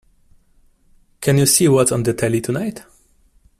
Can you see what's on the telly tonight?